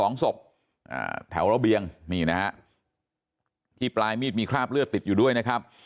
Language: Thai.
สองศพอ่าแถวระเบียงนี่นะฮะที่ปลายมีดมีคราบเลือดติดอยู่ด้วยนะครับ